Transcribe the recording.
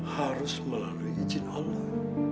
harus melalui izin allah